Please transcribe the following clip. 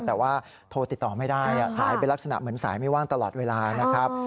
แต่ว่าโทรติดต่อไม่ได้สายเป็นลักษณะเหมือนสายไม่ว่างตลอดเวลานะครับ